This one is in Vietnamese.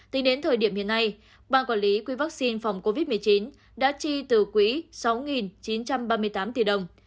tính đến thời điểm hiện nay ban quản lý quỹ vaccine phòng covid một mươi chín đã chi từ quỹ sáu chín trăm ba mươi tám tỷ đồng